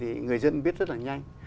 thì người dân biết rất là nhanh